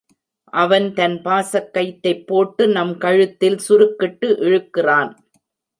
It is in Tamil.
அவன் தன் பாசக் கயிற்றைப் போட்டு, நம் கழுத்தில் சுருக்கிட்டு இழுக்கிறான்.